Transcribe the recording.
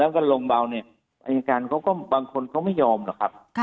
แล้วก็ลงเบาเนี่ยอายการเขาก็บางคนเขาไม่ยอมหรอกครับ